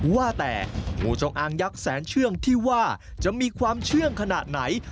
ว่าแต่งูจงอางยักษ์แสนเชื่องที่ว่าจะมีความเชื่องขนาดไหน